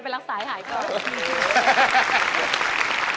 เป็นรักษาให้ถ่ายก่อน